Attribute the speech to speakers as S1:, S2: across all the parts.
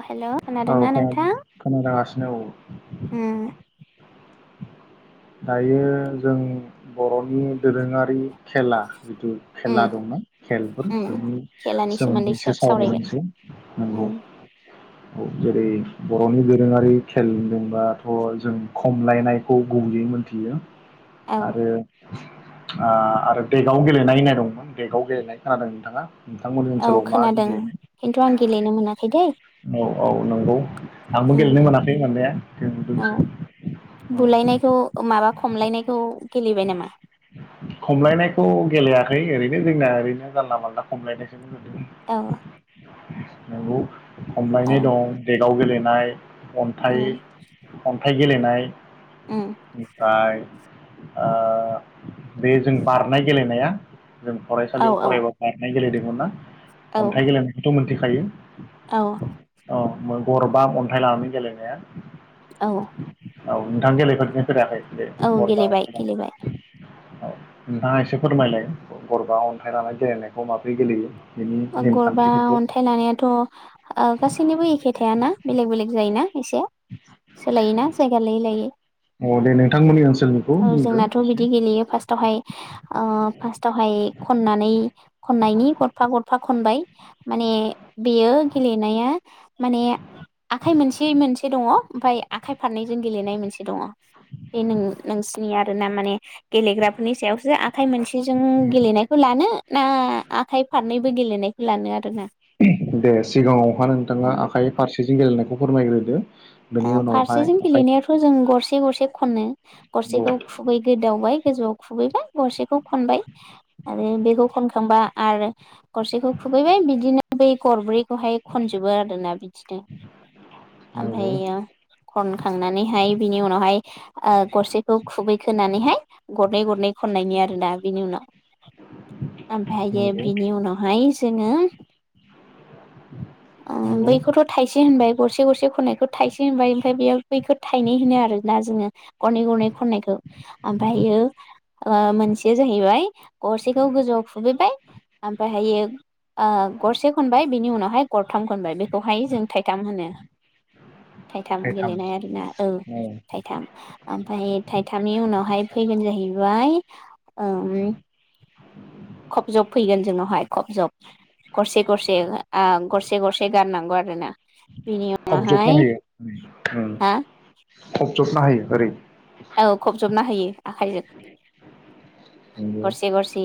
S1: अ हेल'
S2: औ
S1: खोनादोंना नोंथां
S2: खोना-खोनागासिनो औ
S1: उम
S2: दायो जों बर' नि दोरोङारि खेला जिथु खेला
S1: उम
S2: दंना खेलफोर
S1: उम
S2: बेनि
S1: खेलानि
S2: सोमोन्दै एसे
S1: सावरायगोन
S2: सावरायनोसै नंगौ।
S1: उम
S2: औ जेरै बर' नि दोरोङारि खेल होनदोंबाथ जों खमलायनायखौ गुबैयै मोनथियो।
S1: औ
S2: आरो ओ आरो डेगआव गेलेनाय होननाय दंमोन डेगआव गेलेनाय खोनादों नोंथाङा। नोंथांमोननि
S1: औ
S2: ओनसोलाव मा
S1: खोनादों
S2: गेलेयो
S1: खिन्थु आं गेलेनो मोनाखै दै।
S2: औ औ नंगौ। आंबो
S1: उम
S2: गेलेनो मोनाखै मोननाया सोंदोंसो
S1: औ
S2: उम
S1: बुलायनायखौ माबा खमलायनायखौ गेलेबाय नामा
S2: खमलायनायखौ गेलेयाखै ओरै जोंना ओरैनो जानला मानला खमलायनायसो होदो
S1: अ।
S2: नंगौ। खमलायनाय दं देगाव गेले नाय
S1: उम
S2: अन्थाइ अन्थाइ गेलेनाय
S1: उम
S2: निफ्राइ ओ बे जों बारनाय गेलेनाया जों
S1: औ
S2: फरायसालियाव
S1: औ
S2: फरायबा बारनाय गेलेदों।
S1: औ
S2: [unintelligible] अन्थाइ गेलेनायखौथ मोनथि खायो
S1: औ।
S2: औ गर बा अन्थाइ लानानै गेलेनाया औ नोंथां गेले [unintelligible] फेराखै दे
S1: औ
S2: बता
S1: गेलेबाय गेलेबाय
S2: औ नोंथाङा एसे फोरमायलाय गरबा अन्थाइ लाना गेलेनायखौ माबोरै गेलेयो बेनि
S1: गरबा
S2: नेमखान्थिफोरखौ
S1: अन्थाइ लानायाथ गासैनिबो एखे थायाना बेलेग बेलेग जायोना खायसे सोलायोना जायगा लायै लायै
S2: अ दे नोंथांमोननि ओनसोलनिखौ
S1: औ
S2: बुंदो
S1: जोंनाथ
S2: एसे
S1: बिदि गेलेयो फार्स्ट आवहाय फार्स्ट आवहाय खननानै खननायनि गरफा गर फा खनबाय माने बेयो गेलेनाया माने आखाइ मोनसे मोनसे दङ ओमफफ्राय आखाइ फारनैजों गेलेनाय मोनसे दङ बे नों नोंसिनि आर ना माने गेलेग्राफोरनि सायावसो आखाइ मोनसेजों
S2: उम
S1: गेलेनायखौ लानो ना आखाइ फारनैबो गेलेनायखौ लानो आरोना
S2: दे सिगाङावहा नोंथाङा
S1: ओ
S2: आखाइ फारसेजों गेलेनायखौ फोरमायग्रोदो बेनि उनावहाय
S1: फारसेजों
S2: आखाइ
S1: गेलेनाया थ जों गरसे गरसे खनो
S2: नंगौ
S1: गरसेखौ खुबै गोदावबाय गोजौआव खुबैबाय गरसेखौ खनबाय आरो बेखौ खनखांबा आरो गरसेखौ खुबैबाय बिदिनो बै गरब्रै [inaudible]
S2: नंगौ
S1: ओमफ्रायो खन खांनानैहाय बिनि उनावहाय गरसेखौ खुबैखोनानैहाय गरनै गरनै खननायनि आरो ना बिनि उनाव ओमफायो
S2: नंगौ
S1: बिनि उनावहाय सो नो ओ
S2: नंगौ
S1: बैखौथ थाइसे होनबाय गरसे गरसे खननाय थाइसे होनबाय ओमफ्राय बेयाव बैखौ थाइनै होनो आरोना जोङो गरनै गरनै खननायखौ ओमफ्रायो ओ मोनसेया जाहैबाय गरसेखौ गोजौआव खुबैबाय ओमफ्रायहायो ओ गरसे खनबाय बिनि उनावहाय गरथाम खनबाय बेखौहाय जों थाइथाम होनो थाइथाम गेलेनाय आरोना औ थाइथाम ओमफ्राय थाइथामनि उनावहाय फैगोन जाहैबाय ओम खब जब फैगोन जोंनावहाय खब जब गरसे गरसे आ गरसे गरसे गारनांगौ आर रो ना
S2: अबजेक्ट नाहैयो ओम
S1: हा
S2: खबजोबना हायो ओरै
S1: औ खबजबना होयो आखाइजों
S2: नंगौ
S1: गरसे गरसे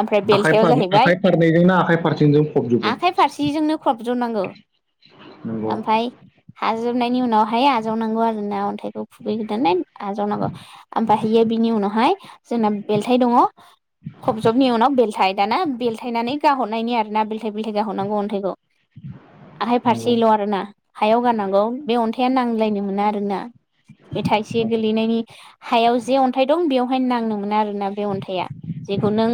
S1: ओमफ्राय
S2: आखाइ
S1: बेलथायाव
S2: फार
S1: जाहैबाय
S2: आखाइ फारनैजोंना आखाइ फारसेजों फबजोबो
S1: आखाइ फारसेजोंनो खबजनांगौ
S2: नंगौ
S1: ओमफ्राय हाजोबनायनि उनावहाय जावनांगौ आरोना थायखौ खुगैगदोननाय आजावनांगौ ओमहयो बिनि उनावहाय जोंना बेलथाय दङ खब जबनि उनाव बेलथाइ दाना बेलथायनानै गाहरनायनि आरो ना बेल थाइ बेल थाइ गारहर नांगौ अन्थाइखौ आखाइ
S2: नंगौ
S1: फारसेल आरोना हायाव गारनांगौ बे अन्थाइ थाया नांलायनो मोना आरोना बे थाइसे
S2: औ
S1: गोलैनायनि हायाव जे अन्थाइ दं बेवहायनो नांनो मोना आरोना बे अन्थाइया जेखौ नों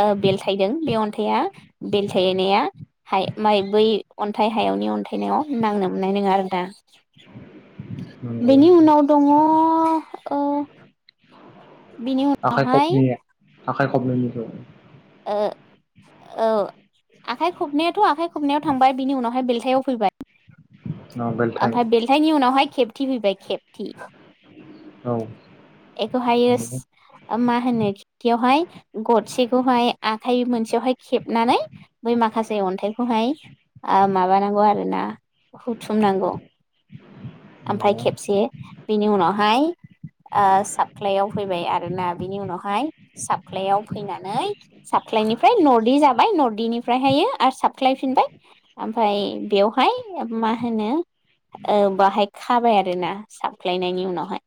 S1: ओ बेलथायदों बे अन्थाइआ बेलथायनाया मा बै अन्थाइ हायावनि अन्थाइनायाव नांनो मोननाय नङा आरो दा
S2: नंगौ
S1: बेनि उनाव दङ ओ
S2: [unintelligible]
S1: बेनि
S2: आखाइ
S1: उनावहाय
S2: खबनै आखाइ खबनैनिखो
S1: ओ औ आखाइ खबनैयाथ आखाइ खबनायाव थांबाय बिनि उनावहाय बेलथायाव फैबाय
S2: औ बेलथाय
S1: ओमफ्राय बेलथायनि उनावहाय खेबथि फैबाय खेबथि
S2: औ
S1: एखौहायो
S2: नंगौ
S1: मा होनो खेबथियावहाय गरसेखौहाय आखाइ मोनसेयावहाय खेबनानै बै माखासे अन्थाइखौहाय ओ‌ माबानांगौ आरो ना हुथु थुमनांगौ ओमफ्राय
S2: नंगौ
S1: खेबसे बिनि उनावहाय ओ साफख्लायाव फैबाय आरोना बिनि उनावहाय साब साख्लायाव फैनानै साख्लायनिफ्राय नर्दि जाबाय नर्दिेनिफ्रायहायो आरो साबख्लायफिनबाय ओमफ्राय बेवहाय मा होनो ओ बाहाय खाबाय आरोना साबख्लायनायनि उनावहाय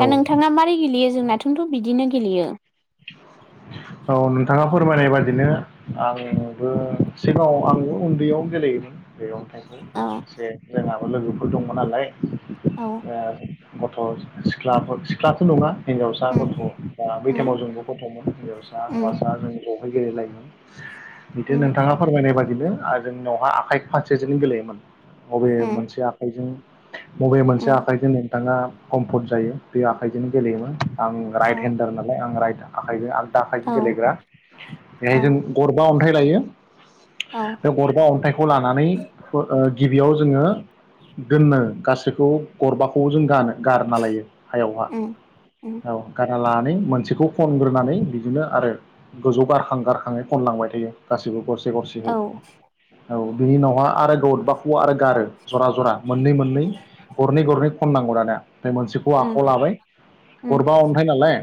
S1: दा
S2: औ
S1: नोंथाङा मारै गेलेयो? जोंना नाथोनथ' बिदिनो गेलेयो।
S2: औ नोंथाङा फोरमायनाय बादिनो आंबो सिगाङाव आंबो उन्दैयाव गेलेयोमोन। मैगं थाइगं
S1: औ
S2: एसे जोङाबो लोगोफोर दङ नालाय
S1: औ
S2: [unintelligible] गथ' सिख्लाफोर सिख्लाथ' नङा हिनजावसा
S1: उम
S2: गथ' बा बै टाइमाव
S1: उम
S2: जों ज' [unintelligible] हिन्जावसा
S1: उम
S2: हौवासा जों बावहाय गेलेलाय बिदिनो
S1: उम
S2: नोंथाङा फोरमायनाय बाय बिनो आरो जोंनावहाय आखाइ फारसेजोंनो गेलेयोमोन बबे
S1: उम
S2: मोनसे आखाइजों बबे मोनसे
S1: उम
S2: आखाइजों बिथाङा कम्फर्ट जायो बे आखाइजों गेलेयोमोन आं
S1: औ
S2: राइट हेन्दार नालाय आं राइट आखायजो आं दा आखाइजो गेलेग्रा बेहाय जों
S1: औ
S2: गरबा अन्थाइ लायो
S1: औ
S2: बे गरबा अन्थाइखौ लानानै ओ ओ गि बेयाव जोङो दोननो गासैखौ गरबाखौ जों गानो गारना लायो हायावहा
S1: उम उम
S2: औ गार लानानै मोनसेखौ खनग्रोनानै बिदिनो आरो गोजौ गारखां गारखाङै खनलांबाय थायो गासिबो गरसे से गरसेयै
S1: औ
S2: औ
S1: उम
S2: बिनि उनावहा आरो गरबाखौ आरो गारो जरा जरा मोननै मोननै गरनै गरनै खननांगौ दाना फाय मोनसेखौ
S1: उम
S2: आखाइयाव लाबाय गरबा अन्थाय नालाय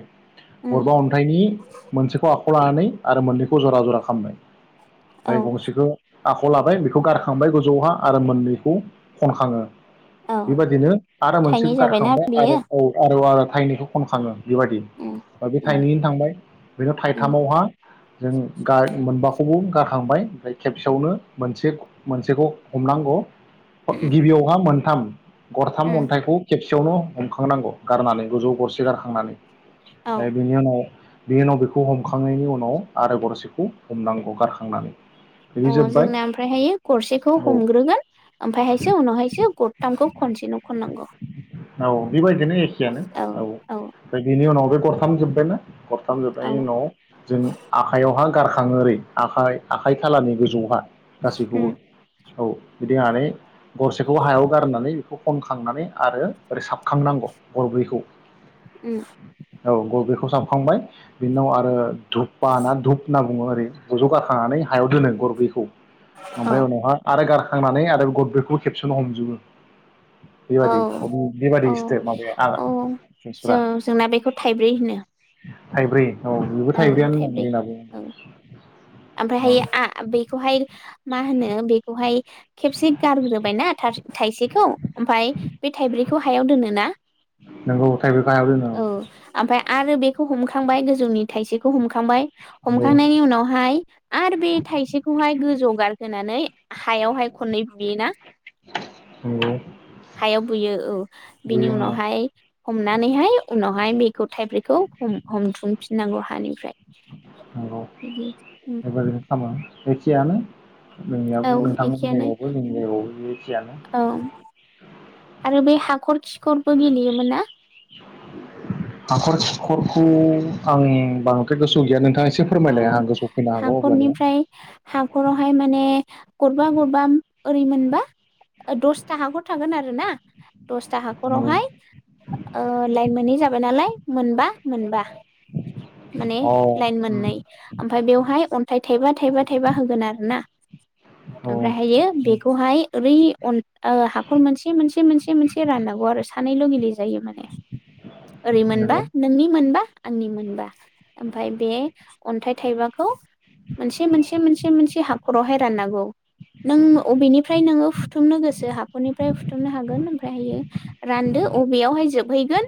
S1: उम
S2: अनथायनि मोनसेखौ खौ लानानै आरो मोननैखौ जरा जरा खालामनाय
S1: औ
S2: फाय गरसेखो आखायाव लाबाय बेखौ गारखांबाय गोजौहा आरो मोननैखौ खनखाङो।
S1: औ
S2: बेबायदिनो आरो मोनसेखौ
S1: थाइनै जाबायना
S2: गारखांबाय
S1: बेयो
S2: आरो औ [unintelligible] थायनैखौ खनखाङो।
S1: उम
S2: बिबादि
S1: उम
S2: थाइनैनो थांबाय बेनाव
S1: उम
S2: थाइथामावहा जों गा मोनबाखौबो गारखांबाय ओमफाय खेबसेयावनो मोनसे मोनसेखौ हमनांगौ गिबियावहा मोनथाम गरथाम
S1: उम
S2: अन्थाइखौ खेबसे खाथियावनो हमखांनांगौ गारनानै गोजौ गरसे गारखांनानै।
S1: औ
S2: ओ बिनि उनाव बिनि उनाव बेखौ हमखांनायनि उनाव आरो गरसेखौ हमनांगौ गारखांनानै। बिदि
S1: अ
S2: जोब्बाय
S1: जोंना ओमफ्रायहायो गरसेखौ
S2: औ
S1: हमग्रोगोन ओमफ्रायहायसो उनावहायसो गरथामखौ खनसेनो खननांगौ।
S2: औ। बेबायदिनो एखयानो औ ओमफ्राय बेनि उनाव बे हाम जोब्बायना?
S1: औ
S2: गरथामजोबनायनि उनाव जों आखाइायावहा गारखा थाङो ओरै आखाइ आखाइ खालानि गोजौहा गासैखौबो
S1: उम
S2: औ बिदिआनो गरसेखौ हायाव गारनानै खनखांनानै आरो ओरै साबखांनांगौ गरब्रैखौ।
S1: उम।
S2: औ गरब्रैखौ साबखांबाय बिनि उनाव आरो धुपा ना धुप होनना बुङो ओरै जज गाखांनानै हायाव दोनो गरब्रैखौ
S1: औ
S2: ओमफाय उनावहाय आरो गारखो नानै आरो गदब्रखौबो खेबसेनो हमजोबो।
S1: औ
S2: बेबायदि
S1: औ
S2: बेबायदि स्टेप
S1: औ
S2: माबाया आ
S1: ज जोंना बेखौ थाइ होनो।
S2: थाइब्रै औ बेबो
S1: औ
S2: थाइब्रैयानो
S1: थाइब्रै
S2: होनदां जोंनाबो
S1: औ
S2: औ
S1: ओमफायहाय आ बेखौहाय मा होनो? बेखौहाय खेबसे गारग्रोबायना थाब-थाइसेखौ ओमफाय बे थाइब्रैखौ हायाव दोनो ना
S2: नोंगौ थाइब्रै गाहायाव दोनो
S1: औ ओमफाय आरो बेखौ हमखांबाय गोजौनि थाइसेखौ हमखांबाय
S2: नंगौ
S1: हमखांनायनि उनावहाय आरो बे थाइसेखौहाय गोजौ गार होनानै हायावहाय खननै बुयोना
S2: नंगौ
S1: हायाव बुयो औ बिनि
S2: बेयो औ
S1: उनावहाय हमनानैहाय उनाव बेखौ थाइब्रैखौ हम-हमथुमफि नांगौ हानिफ्राय।
S2: नंगौ
S1: बिदि
S2: बेबायदिनो खामो एखेयानो नोंनियाबो
S1: औ
S2: नोंथांमोन
S1: एखेयानो
S2: जायगायावबो जोंनि जायगायावबो बे एखेयानो
S1: औ खर खि खरबो गेलेयोमोन ना
S2: हाखर खिखरखौ आं बांद्राय गोसो गैया नोंथाङा एसे
S1: औ
S2: फोरमायलाय आं गोसोआव फैनो हागौ अब्लानिया
S1: हाखरनिफ्राय हाखरावहाय माने गरबा गरबा ओरै मोनबा दसथा हाखर थागोन आरो ना दसथा हाखरावहाय ओ लाइन मोनै जाबाय नालाय मोनबा मोनबा माने
S2: औ
S1: लाइन मोननै ओमफ्राय बेवहाय अन्थाइ थाइबा थाइबा थाइबा होगोन आरो ना
S2: औ
S1: ओमफ्रायहायो बेखौहाय ओरै अन ओ हाख'र मोनसे मोनसे मोनसे मोनसे राननांगौ आरो सानैल' गेलेजायो माने ओरै मोनबा
S2: नंगौ
S1: नोंनि मोनबा आंनि मोनबा ओमफ्राय बे अन्थाय थाइबाखौ मोनसे मोनसे मोनसे मोनसे हाखरावहाय राननांगौ नों अबेनिफ्राय नोङो फुथुमनो गोसो हाखरनिफ्राय फुथुमनो हागोन ओमफ्रायहायो रानदो अबेयावहाय जोबहैगोन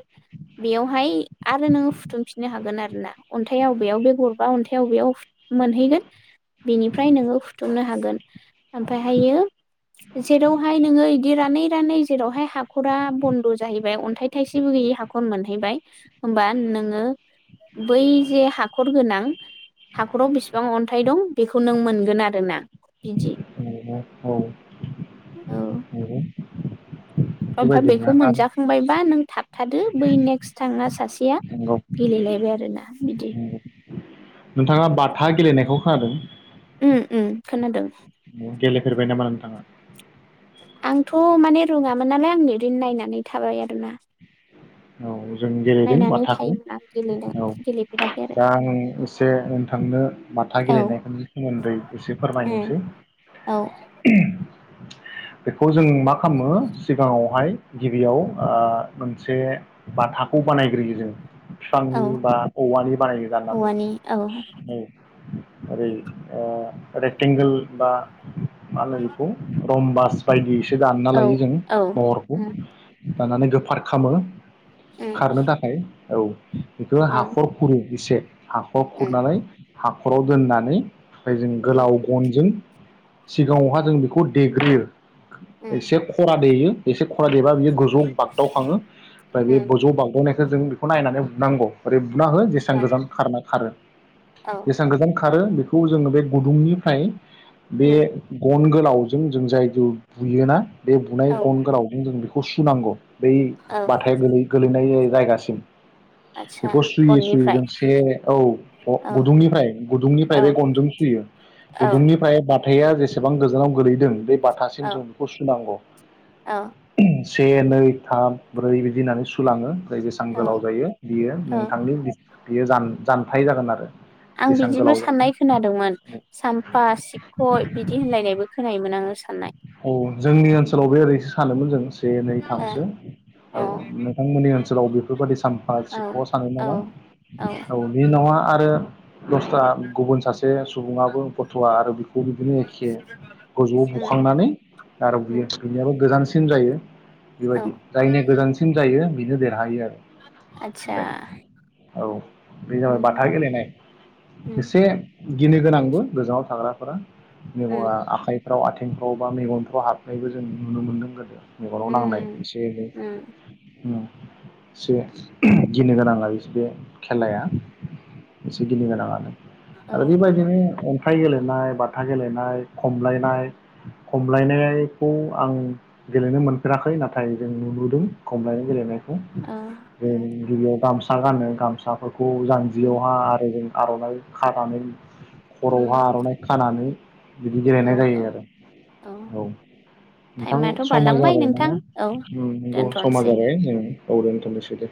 S1: बेयावहाय आरो नोङो फुथुमफिननो हागोन आरोना अन्थायाव अबेयाव बे गर अन्थायाव बेयाव फु मोनहैगोन बेनिफ्राय नोङो फुथुमनो हागोन ओमफायहायो जेरावहाय नोङो एदि रानै रानै जेरावहाय हाखरा बन्द जाहैबाय अन्थाइ थाइसेबो गैयि हाखर मोनहैबाय होमबा नोङो बै जे हाखर गोनां हाखराव बेसिबां अन्थाइ दं बेखौ नों मोनगोन आरोना बिदि
S2: नोंगौ औ नोंगौ
S1: ओमफाय बेखौ मोनजाखांबायबा नों थाबथादो बै नेक्स्ट थाङास इया
S2: नंगौ
S1: गेलेलायबाय आरोना बिदि।
S2: नंगौ नोंथाङा बाथा गेलेनायखौ खोनादों?
S1: उम उम खोनादों।
S2: गेलेफेरबाय नामा नोंथाङा?
S1: आंथ' माने रोङामोन नालाय आंरैनो नायनानै थाबाय आरो।
S2: औ जों गेलेदों
S1: नायनानै
S2: बाथाखौ
S1: थायोमोन आं गेलेनो
S2: औ
S1: गेलेफेराखै आरो
S2: दा आं एसे नोंथांनो बाथा
S1: औ
S2: गेलेनायनि सोमोन्दै एसे
S1: उम
S2: फोरमायनोसै।
S1: औ
S2: बेखौ जों मा खामो सिगाङावहाय गिबियाव आ मोनसे बाथाखौ बानायग्रोयो जों।
S1: औ
S2: बिफांनि बा औवानि बानायनो गाननानै
S1: औवानि औ
S2: औ ओरै आ रेथेंगोल बा मालायनिखौ कम बास बायदि दानना
S1: औ
S2: लायो जों
S1: औ
S2: महरखौ।
S1: उम
S2: दानानै गोफार खामो
S1: उम
S2: खारनो थाखाय औ। बेखौ
S1: औ उम
S2: हाखर खुरो एसे हाखर खुरनानै हाखराव दोननानै ओमफाय जों
S1: उम
S2: गोलाव गनजों सिगाङावहा जों बेखौ देग्रोयो।
S1: उम
S2: एसे खरा देयो। एसे खरा देबा बियो गोजौ बागदाव खाङो। बे
S1: उम
S2: गोजौ बावगदावनाय जों बेखौ नायनानै नांगौ बुनांगौ ओरै बुना हो जेसां
S1: औ
S2: गोजान खारना खारो
S1: औ
S2: जेसां गोजान खारो बेखौ जोङो बे गुदुंनिफ्राय बे
S1: उम
S2: गन गो लावजों जों जायखौ बुयोना बे बुनाय
S1: औ
S2: गन गोरावजों जों बेखौ ग सुनांग बै
S1: औ
S2: बाथाया गोलै गोलैनाय जायगासिम
S1: आदसा
S2: बेखौ सुयै सुयै
S1: गननिफ्राय
S2: जों से ओउ
S1: औ
S2: ग-गदुंनिफ्राय गुदुंनिफ्राय
S1: औ
S2: बे गनजों सुयो
S1: औ
S2: गुदुंनिफ्राय बा थाया जेसेबां गोजानाव गोलैदों बे बाथासिम
S1: औ
S2: जों बेखौ सुनांगौ
S1: औ
S2: से नै थाम- ब्रै बिदि होननानै सुलाङो। जाय जेसां गोलाव
S1: औ
S2: जायो बियो
S1: औ
S2: नोंथांनि बि बियो जान जानथाय जागोन आरो।
S1: आं
S2: बेसेबां
S1: बिदिबो
S2: गोलाव जायो
S1: साननाय खोनादोंमोन सानफा सिबखय बिदि होनलायनायबो खोनायोमोन आङो सा होननाय।
S2: ओउ जोंनि ओनसोलाव बे ओरैसो सानोमोन जों से। से नै थामसो औ नोंथांमोननि ओ सोलाव बेफोरबादिसो सामफा सिख सानो
S1: औ
S2: नामा
S1: औ औ
S2: ओउ बि नावा आरो दस्रा गुबुन सासे सु सुबुङाबो गथ'वा आरो बि ग बिदिनो एखे गजौ बु
S1: उम
S2: हखांनानै आराव बुयो
S1: उम
S2: थि गोलैनायाबो गोजान सि सिन जायो।
S1: औ
S2: बेबायदि जायनि गोजानसिन जायो बेनो देरहायो आरो
S1: आतसा
S2: बे औ बे जाबाय
S1: उम
S2: बाथा गेलेनाय
S1: उम
S2: एसे। गिनो गोनांबो गोजानाव थाग्राफोरा
S1: उम
S2: मेगना आखाय र आ आंफ्राव बा मेगनफ्राव हाबनायबो जों नुनो मोन्दों गोदो मेगनाव नांनाय
S1: उम
S2: एसे
S1: उम
S2: एनै एसे गिनो गोनां आरो बे खेलाया एसे गिनो गोनाङानो
S1: औ
S2: आरो बे
S1: औ
S2: बादिनो खाइ गेलेनाय बाथा गेलेनाय खमलायनाय खमलायनायखौ आं गेलेनो मोनफेराखै नाथाय जों नुबोदों खमलायनाय गेलेनाय
S1: औ
S2: बे
S1: उम
S2: गिबियाव गाम सा गानो गामसाखो खौ
S1: उम
S2: जान्जियावहा आरो जों आरनाइ खानानै खरवाहा
S1: उम
S2: आरनाइ खानानै बिदि
S1: औ
S2: गायनाय जायो
S1: औ
S2: आरो औ नोंथां
S1: टाइमाथ'
S2: समा
S1: बारलांबाय
S2: जाबाय
S1: नोंथां
S2: नामा
S1: औ
S2: उम नंगौ समा
S1: दोनथ'नोसै
S2: जाबाय जों औ दोनथनोसै दे